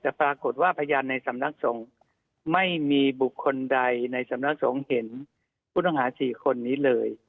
แต่ปรากฏว่าพยานในสำนักสงฆ์ไม่มีบุคคลใดในสำนักสงฆ์เห็นผู้ต้องหา๔คนนี้เลย